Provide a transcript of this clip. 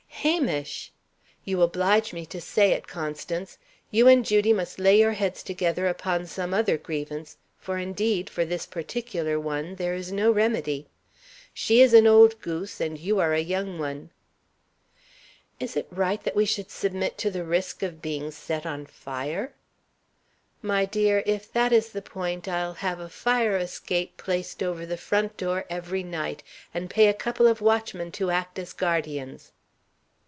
"Hamish!" "You oblige me to say it, Constance. You and Judy must lay your heads together upon some other grievance, for, indeed, for this particular one there is no remedy. She is an old goose, and you are a young one." "Is it right that we should submit to the risk of being set on fire?" "My dear, if that is the point, I'll have a fire escape placed over the front door every night, and pay a couple of watchmen to act as guardians.